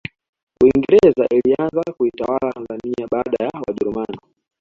uingereza ilianza kuitawala tanzania baada ya wajerumani